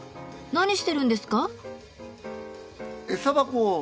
何してるんですか？